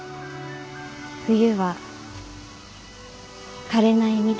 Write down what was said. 冬は枯れない緑を。